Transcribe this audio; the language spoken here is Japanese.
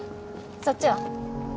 そっちは？